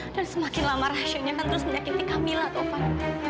dan semakin lama rahasianya akan terus menyakiti kamila tovan